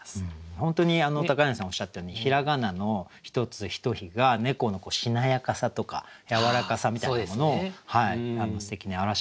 本当に柳さんおっしゃったように平仮名の「ひとつひとひ」が猫のしなやかさとかやわらかさみたいなものをすてきに表してくれてるなと思いました。